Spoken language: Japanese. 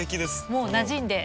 もうなじんで。